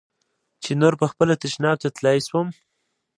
چې نور پخپله تشناب ته تلاى سوم.